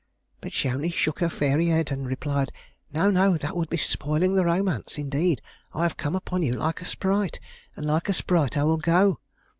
But she only shook her fairy head, and replied: "No, no; that would be spoiling the romance, indeed. I have come upon you like a sprite, and like a sprite I will go."